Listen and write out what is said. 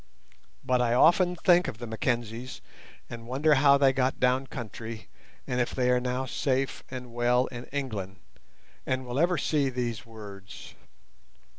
But I often think of the Mackenzies, and wonder how they got down country, and if they are now safe and well in England, and will ever see these words.